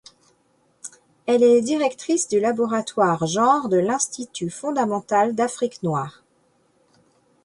Elle est directrice du laboratoire Genre de l'Institut fondamental d'Afrique noire.